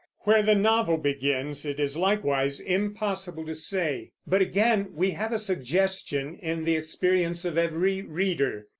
Where the novel begins it is likewise impossible to say; but again we have a suggestion in the experience of every reader.